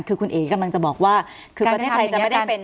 คือคุณเอ๋กำลังจะบอกว่าคือประเทศไทยจะไม่ได้เป็น